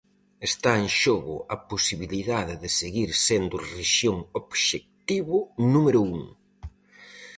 Está en xogo a posibilidade de seguir sendo rexión obxectivo número un.